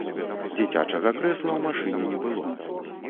Дзіцячага крэсла ў машыне не было.